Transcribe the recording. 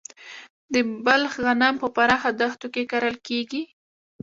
د بلخ غنم په پراخه دښتو کې کرل کیږي.